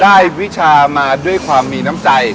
วิชามาด้วยความมีน้ำใจ